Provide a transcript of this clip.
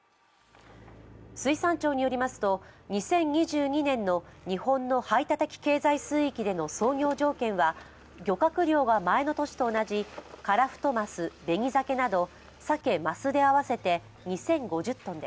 水産庁によりますと、２０２２年の日本の排他的経済水域での操業条件は漁獲量が前の年と同じからふとます、べにざけなどさけ・ますで合わせて２０５０ｔです。